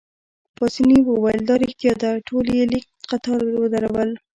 پاسیني وویل: دا ريښتیا ده، ټول يې لیک قطار ودرول.